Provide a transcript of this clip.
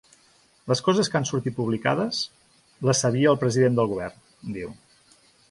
Les coses que han sortit publicades, les sabia el president del govern, diu.